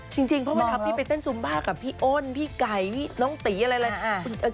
จริงเพราะทำที่ไปเต้นซุมบาร์กับพี่โอนพี่ไก๊พี่น้องตีอะไร